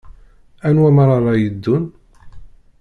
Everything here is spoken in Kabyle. Anwa meṛṛa ara yeddun?